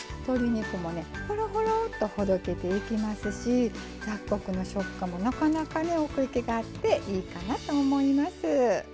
鶏肉もねホロホロッとほどけていきますし雑穀の食感もなかなかね奥行きがあっていいかなと思います。